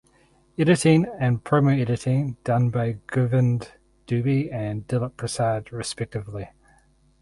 Editing and Promo Editing done by Govind Dubey and Dilip Prasad respectively.